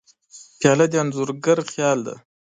پیاله د انځورګر خیال دی.